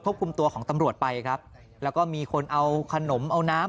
คุมตัวของตำรวจไปครับแล้วก็มีคนเอาขนมเอาน้ำ